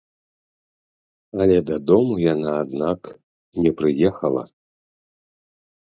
Але дадому яна, аднак, не прыехала.